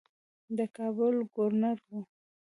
د کابل ګورنر وو.